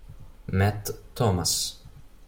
Matt Thomas